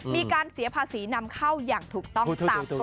มีการเสียภาษีนำเข้าอย่างถูกต้องตามกฎ